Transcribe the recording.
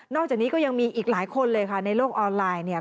จากนี้ก็ยังมีอีกหลายคนเลยค่ะในโลกออนไลน์เนี่ย